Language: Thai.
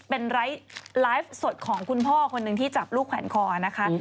เป็นไลฟ์สดของคุณพ่อคนหนึ่งที่จับลูกแขวนคอนะคะ